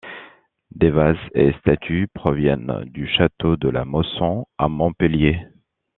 Des vases et statues proviennent du château de la Mosson à Montpellier.